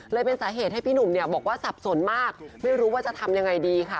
เป็นสาเหตุให้พี่หนุ่มเนี่ยบอกว่าสับสนมากไม่รู้ว่าจะทำยังไงดีค่ะ